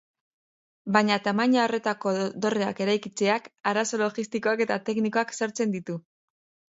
Baina tamaina horretako dorreak eraikitzeak arazo logistikoak eta teknikoak sortzen ditu.